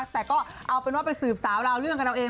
แต่ก็เอาเป็นว่าไปสืบสาวราวเรื่องกันเอาเอง